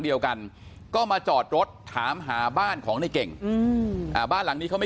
เดียวกันก็มาจอดรถถามหาบ้านของในเก่งบ้านหลังนี้เขาไม่